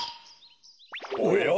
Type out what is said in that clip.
おや？